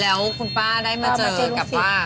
แล้วคุณป้าได้มาเจอกับป้า